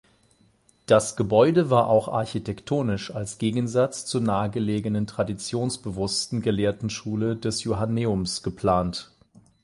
Das Gebäude war auch architektonisch als Gegensatz zur nahegelegenen traditionsbewussten Gelehrtenschule des Johanneums geplant.